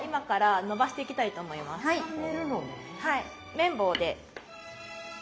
麺棒で。